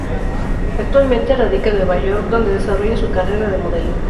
Actualmente radica en Nueva York donde desarrolla su carrera de modelo.